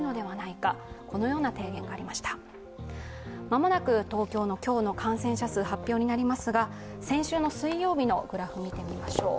間もなく東京の今日の感染者数、発表になりますが、先週の水曜日のグラフ見てみましょう。